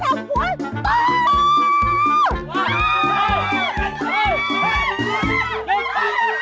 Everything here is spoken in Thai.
อ้าช่วยจับไว้เอ้ยอย่าทำสิ